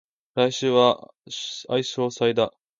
来週は相生祭だ